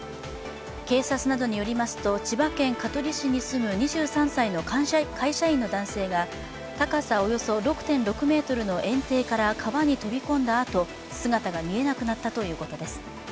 警察などによりますと千葉県香取市に住む２３歳の会社員の男性が高さおよそ６．６ｍのえん堤から川に飛び込んだあと、姿が見えなくなったということです。